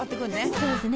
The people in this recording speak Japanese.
そうですね。